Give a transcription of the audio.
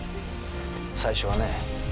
最初はね。